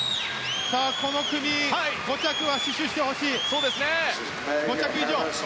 この組５着以上は死守してほしい。